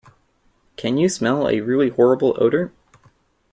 Can you smell a really horrible odour?